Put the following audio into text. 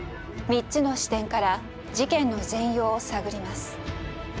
３つの視点から事件の全容を探ります。